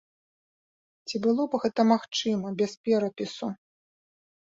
Ці было б гэта магчыма без перапісу?